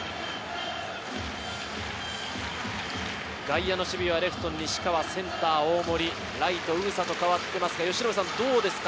外野の守備はレフト・西川、センター・大盛、ライト・宇草と変わっていますが、どうですか？